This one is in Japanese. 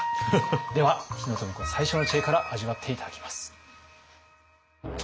では日野富子最初の知恵から味わって頂きます。